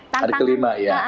hari kelima ya